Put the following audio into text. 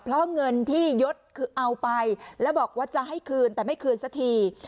เพราะเงินที่ยดคือเอาไปแล้วบอกว่าจะให้คืนแต่ไม่คืนสักที